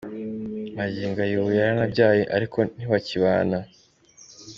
Magingo aya ubu yaranabyaye ariko ntibakibana.